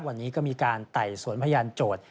วันนี้ก็มีการไต่สวนพยานโจทย์